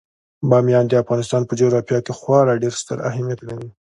بامیان د افغانستان په جغرافیه کې خورا ډیر ستر اهمیت لري.